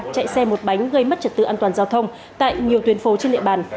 chạy xe một bánh gây mất trật tự an toàn giao thông tại nhiều tuyến phố trên địa bàn